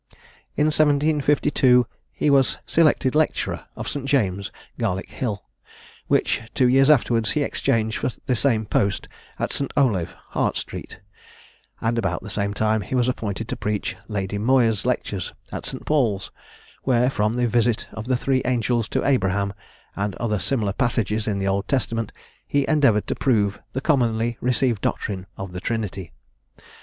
In 1752 he was selected lecturer of St. James, Garlick hill, which, two years afterwards, he exchanged for the same post at St. Olave, Hart street; and about the same time he was appointed to preach Lady Moyer's lectures at St. Paul's, where, from the visit of the three angels to Abraham, and other similar passages in the Old Testament, he endeavoured to prove the commonly received doctrine of the Trinity.